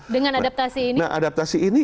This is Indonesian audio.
dengan adaptasi ini adaptasi ini